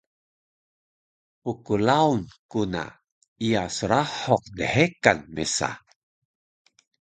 pklaun ku na iya srahuq dhekan mesa